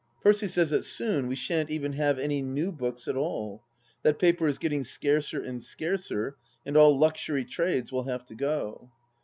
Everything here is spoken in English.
... Percy says that soon we shan't even have any new books at all ; that paper is getting scarcer and scarcer, and all luxury trades will have to go.